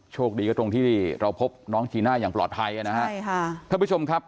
โชคดีก็ตรงที่เราพบน้องจีน่าอย่างปลอดภัยนะฮะใช่ค่ะท่านผู้ชมครับ